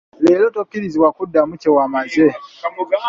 Leero tokkirizibwa kuddamu kye wamaze.